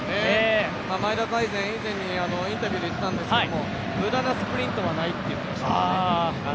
前田大然、以前にインタビューで言ってたんですけど無駄なスプリントはないと言っていました。